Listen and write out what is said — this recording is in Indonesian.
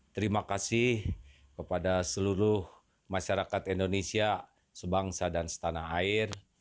terima kasih kepada seluruh masyarakat indonesia sebangsa dan setanah air